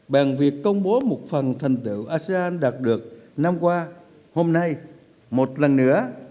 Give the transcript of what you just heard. bằng việc công bố một phần thành tựu asean đạt được năm qua hôm nay một lần nữa